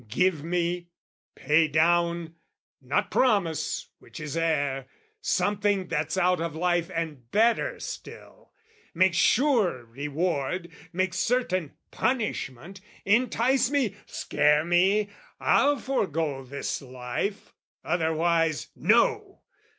Give me, pay down, not promise, which is air, Something that's out of life and better still, Make sure reward, make certain punishment, Entice me, scare me, I'll forego this life; Otherwise, no!